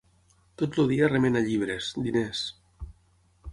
Tot el dia remena llibres, diners.